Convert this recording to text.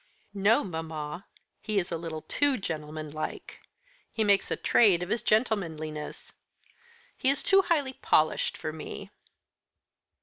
"No, mamma; he is a little too gentlemanlike. He makes a trade of his gentlemanliness. He is too highly polished for me."